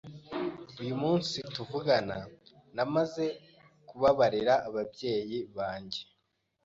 uyu munsi tuvugana namaze kubabarira ababyeyi banjye,